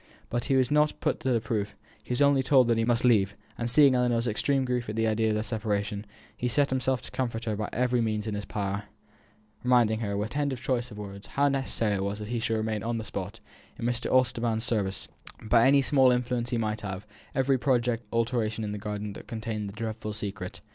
But he was not put to the proof; he was only told that he must leave, and seeing Ellinor's extreme grief at the idea of their separation, he set himself to comfort her by every means in his power, reminding her, with tender choice of words, how necessary it was that he should remain on the spot, in Mr. Osbaldistone's service, in order to frustrate, by any small influence he might have, every project of alteration in the garden that contained the dreadful secret.